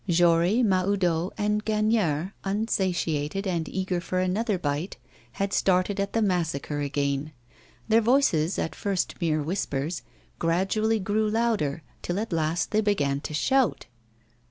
Jory, Mahoudeau, and Gagnière, unsatiated and eager for another bite, had started on the massacre again. Their voices, at first mere whispers, gradually grew louder, till at last they began to shout.